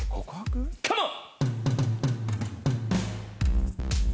カモン。